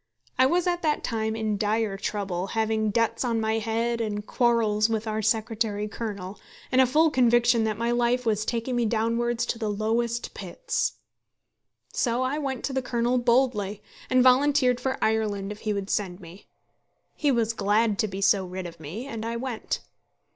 I was at that time in dire trouble, having debts on my head and quarrels with our Secretary Colonel, and a full conviction that my life was taking me downwards to the lowest pits. So I went to the Colonel boldly, and volunteered for Ireland if he would send me. He was glad to be so rid of me, and I went.